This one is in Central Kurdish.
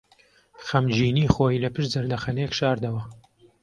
خەمگینیی خۆی لەپشت زەردەخەنەیەک شاردەوە.